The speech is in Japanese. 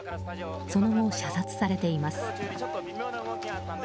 その後、射殺されています。